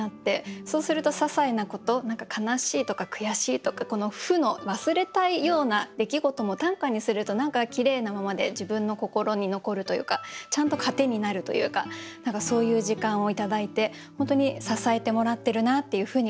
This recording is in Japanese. そうするとささいなこと何か悲しいとか悔しいとかこの負の忘れたいような出来事も短歌にすると何かきれいなままで自分の心に残るというかちゃんと糧になるというか何かそういう時間を頂いて本当に支えてもらってるなっていうふうに感じてます。